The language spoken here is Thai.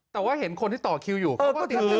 แต่ว่าเห็นคนที่ต่อคิวอยู่เขาก็ติดอยู่